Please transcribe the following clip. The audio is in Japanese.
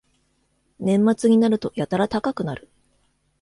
年末になるとやたら高くなる